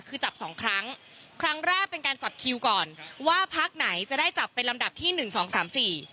คือจับสองครั้งครั้งแรกเป็นการจัดคิวก่อนว่าพักไหนจะได้จับเป็นลำดับที่หนึ่งสองสามสี่